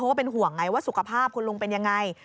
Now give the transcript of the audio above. ก็เป็นห่วงไงว่าสุขภาพคุณลุงเป็นยังไง